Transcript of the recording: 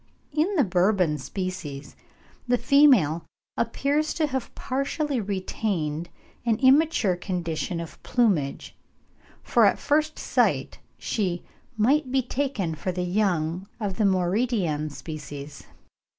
In the Bourbon species the female appears to have partially retained an immature condition of plumage, for at first sight she "might be taken for the young of the Mauritian species."